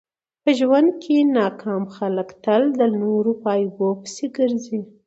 په ژوند کښي ناکام خلک تل د نور په عیبو پيسي ګرځي.